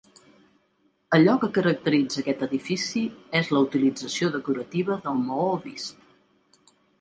Allò que caracteritza aquest edifici és la utilització decorativa del maó vist.